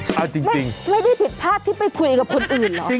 ไม่ได้ผิดพลาดที่ไปคุยกับคนอื่นเหรอ